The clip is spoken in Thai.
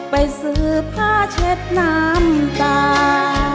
ไปซื้อผ้าเช็ดน้ำตา